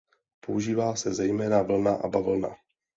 Používá se zejména vlna a bavlna.